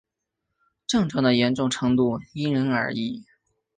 症状的严重程度因人而异。